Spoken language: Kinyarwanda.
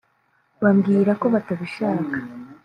bambwira ko batabishaka